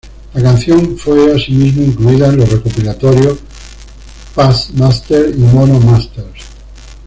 La canción fue, asimismo, incluida en los recopilatorios "Past Masters" y "Mono Masters".